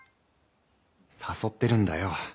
「誘ってるんだよ。